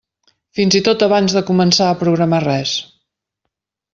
Fins i tot abans de començar a programar res.